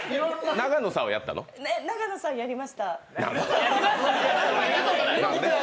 永野さんやりました。